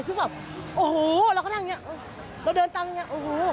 ซึ่งแบบโอ้โหเราก็นั่งอย่างนี้เราเดินตามอย่างเงี้โอ้โห